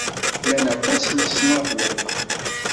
Llan aṭas n leṣnaf n lqahwa.